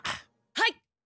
はい！